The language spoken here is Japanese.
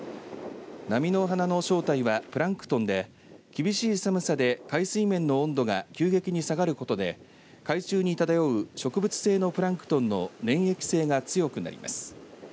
波の花の正体はプランクトンで厳しい寒さで海水面の温度が急激に下がることで海中に漂う植物性のプランクトンの粘液性が強くなります。